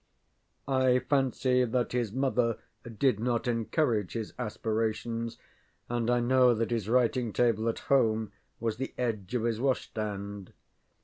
I fancy that his mother did not encourage his aspirations, and I know that his writing table at home was the edge of his washstand.